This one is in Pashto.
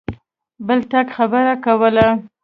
بل ټک خبره کوله.